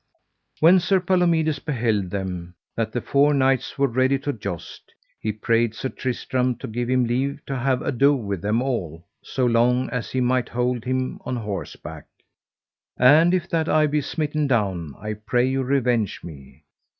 When Sir Palomides beheld them, that the four knights were ready to joust, he prayed Sir Tristram to give him leave to have ado with them all so long as he might hold him on horseback. And if that I be smitten down I pray you revenge me.